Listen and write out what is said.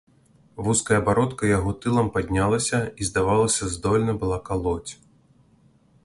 Вузкая бародка яго тылам паднялася і, здавалася, здольна была калоць.